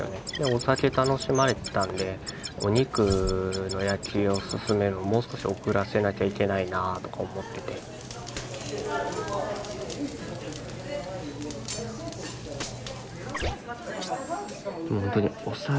お酒楽しまれてたんでお肉の焼きを進めるのもう少し遅らせなきゃいけないなあとか思ってて本当にお皿にのせた瞬間